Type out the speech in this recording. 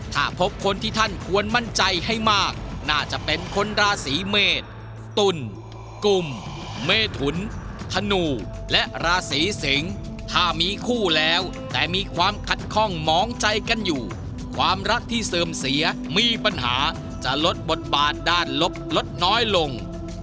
ถ้าพบคนที่ท่านควรมั่นใจให้มากน่าจะเป็นคนราศีเมษตุลกลุ่มเมทุนธนูและราศีสิงถ้ามีคู่แล้วแต่มีความขัดข้องหมองใจกันอยู่ความรักที่เสื่อมเสียมีปัญหาจะลดบทบาทด้านลบลดน้อยลง